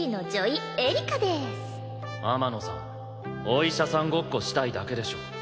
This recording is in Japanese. お医者さんごっこしたいだけでしょ？